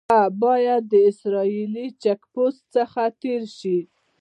هغه باید د اسرائیلي چیک پوسټ څخه تېر شي.